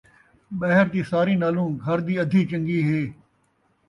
ٻاہر دی ساری نالوں گھر دی ادھی چن٘ڳی ہے